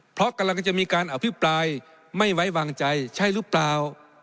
เพราะกำลังจะมีการอภิปรายไม่ไว้วางใจใช่หรือเปล่า